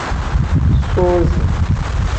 Suuzi.